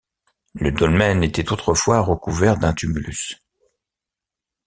Le dolmen était autrefois recouvert d'un tumulus.